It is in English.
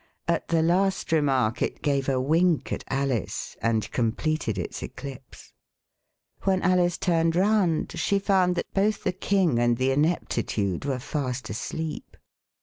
At the last remark it gave a wink at Alice and completed its eclipse. When Alice turned round she found that both the King and the Ineptitude were fast asleep.